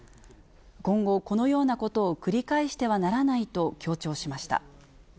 今後、このようなことを繰り返してはならないと強調しました。